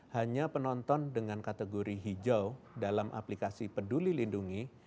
hanya penonton dengan kategori hijau dalam aplikasi peduli lindungi